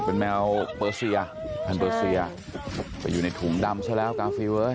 เป็นแมวเปอร์เซียพันเปอร์เซียไปอยู่ในถุงดำซะแล้วกาฟิลเว้ย